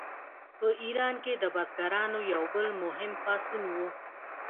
په ایران کې د بزګرانو یو بل مهم پاڅون و.